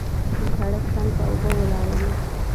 د سړک څنګ ته اوبه ولاړې وې.